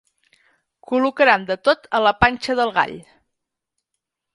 Col·locaran de tot a la panxa del gall.